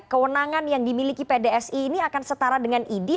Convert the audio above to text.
kewenangan yang dimiliki pdsi ini akan setara dengan idi